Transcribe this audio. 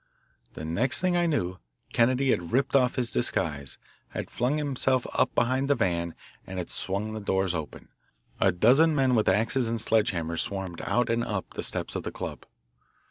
The next thing I knew, Kennedy had ripped off his disguise, had flung himself up behind the van, and had swung the doors open. A dozen men with ages and sledge hammers swarmed out and up the steps of the club.